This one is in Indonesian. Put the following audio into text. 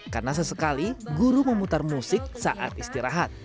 karena sesekali guru memutar musik saat istirahat